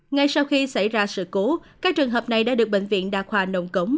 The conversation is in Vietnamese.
ngay sau khi xảy ra sự cứu các trường hợp này đã được bệnh viện đa khoa nông cống